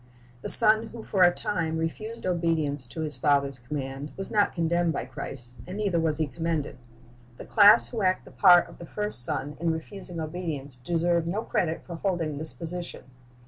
The son who for a time refused obedience to his father's command was not condemned by Christ; and neither was he commended. The class who act the part of the first •John 6:37 Saying and Doing 281 son in refusing obedience deserve no credit for holding this position.